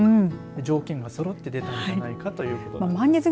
条件が、そろって出たんじゃないかということです。